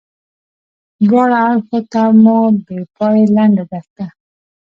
دواړه اړخو ته مو بې پایې لنده دښته.